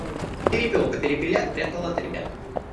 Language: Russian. Перепелка перепелят прятала от ребят.